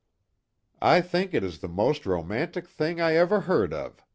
"I think it is the most romantic thing I ever heard of!"